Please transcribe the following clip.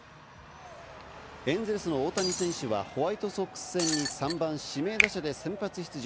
エンゼルスの大谷選手はホワイトソックス戦に３番・指名打者で先発出場。